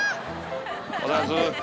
おはようございます。